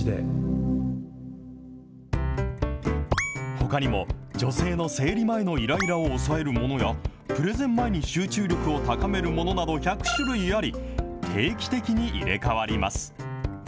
ほかにも、女性の生理前のイライラを抑えるものや、プレゼン前に集中力を高めるものなど、１００種類あり、定期的に入れ代わります。